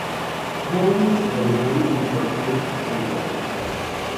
Hence the name importance sampling.